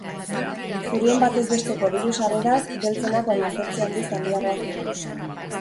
Zurien batez besteko diru-sarrerak, beltzenak baino zortzi handiz handiagoak dira.